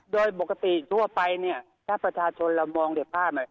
โดยปกติทั่วไปถ้าประชาชนมองเด็ดภาพ